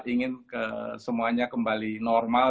ingin semuanya kembali normal